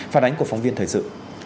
phản ánh của phóng viên thời sự